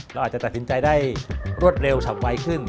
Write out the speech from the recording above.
เราอาจจะตัดสินใจได้รวดเร็วฉับไวขึ้น